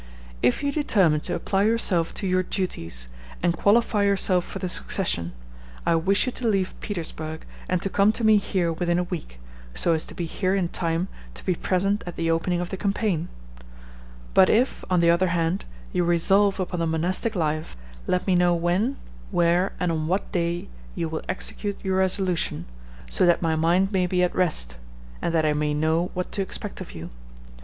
"If you determine to apply yourself to your duties, and qualify yourself for the succession, I wish you to leave Petersburg and to come to me here within a week, so as to be here in time to be present at the opening of the campaign; but if, on the other hand, you resolve upon the monastic life, let me know when, where, and on what day you will execute your resolution, so that my mind may be at rest, and that I may know what to expect of you.